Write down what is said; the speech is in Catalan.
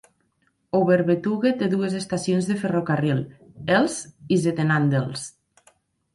Overbetuwe té dues estacions de ferrocarril: Elst i Zetten-Andelst.